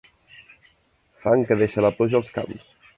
Fang que deixa la pluja als camps.